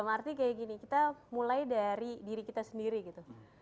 arti kayak gini kita mulai dari diri kita sendiri gitu